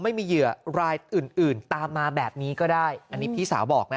ไม่มีเหยื่อรายอื่นอื่นตามมาแบบนี้ก็ได้อันนี้พี่สาวบอกนะ